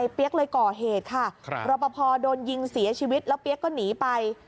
เปี๊ยกเลยก่อเหตุค่ะรอปภโดนยิงเสียชีวิตแล้วเปี๊ยกก็หนีไป